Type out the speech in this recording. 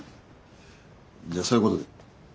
じゃそういうことで。